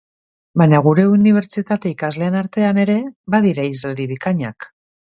Baina, gure unibertsitate ikasleen artean ere badira hizlari bikainak.